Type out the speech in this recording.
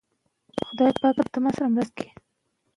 د افغانستان تاریخ په داسې فاتحانو باندې ویاړي.